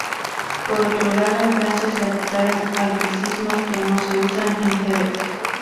Por otro lado, en Francia se adoptaron anglicismos que no se usan en Quebec.